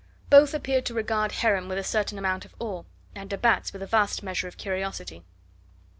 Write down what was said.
Both appeared to regard Heron with a certain amount of awe, and de Batz with a vast measure of curiosity.